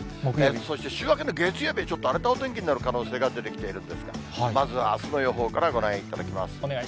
そして週明けの月曜日はちょっと荒れたお天気になる可能性が出てきているんですが、まずはあすの予報からご覧いただきます。